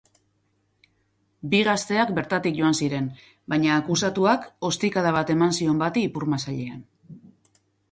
Bi gazteak bertatik joan ziren baina akusatuak ostikada bat eman zion bati ipurmasailean.